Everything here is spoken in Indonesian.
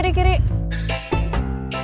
aku di mana